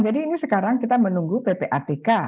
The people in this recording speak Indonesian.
jadi ini sekarang kita menunggu ppatk